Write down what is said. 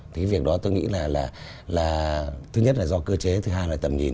thì việc đó tôi nghĩ là thứ nhất là do cơ chế thứ hai là tầm nhìn